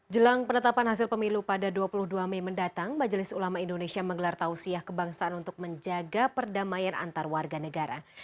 jelang penetapan hasil pemilu pada dua puluh dua mei mendatang majelis ulama indonesia menggelar tausiah kebangsaan untuk menjaga perdamaian antar warga negara